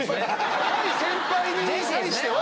先輩に対しては。